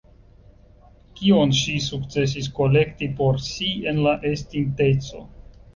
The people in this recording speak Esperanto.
Kion ŝi sukcesis kolekti por si en la estinteco?